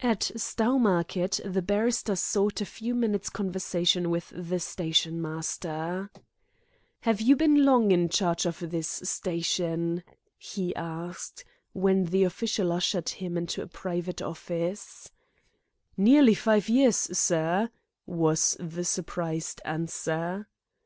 At Stowmarket the barrister sought a few minutes' conversation with the stationmaster. "Have you been long in charge of this station?" he asked, when the official ushered him into a private office. "Nearly five years, sir," was the surprised answer.